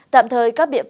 tạm thời các biện pháp